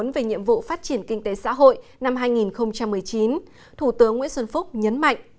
về nhiệm vụ phát triển kinh tế xã hội năm hai nghìn một mươi chín thủ tướng nguyễn xuân phúc nhấn mạnh